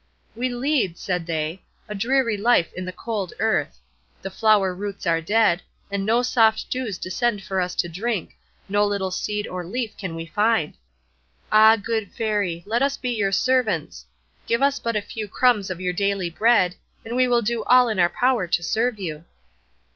"We lead," said they, "a dreary life in the cold earth; the flower roots are dead, and no soft dews descend for us to drink, no little seed or leaf can we find. Ah, good Fairy, let us be your servants: give us but a few crumbs of your daily bread, and we will do all in our power to serve you."